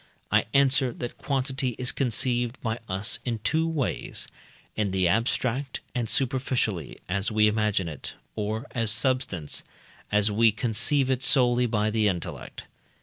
I answer, that quantity is conceived by us in two ways; in the abstract and superficially, as we imagine it; or as substance, as we conceive it solely by the intellect.